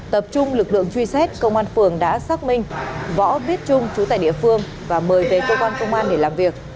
tập trung lực lượng truy xét công an phường đã xác minh võ viết trung chú tại địa phương và mời về cơ quan công an để làm việc